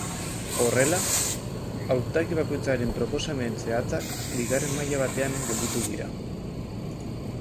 Horrela, hautagai bakoitzaren proposamen zehatzak bigarren maila batean gelditu dira.